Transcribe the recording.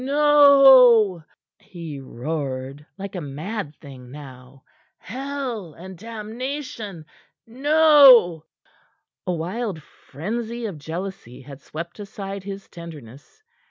"No," he roared, like a mad thing now. "Hell and damnation no!" A wild frenzy of jealousy had swept aside his tenderness.